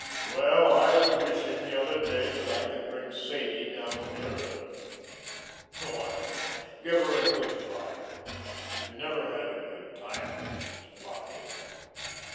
"Well, I was wishing the other day that I could bring Sadie down here, and oh, I don't know give her a good time. She never had a good time when she was alive.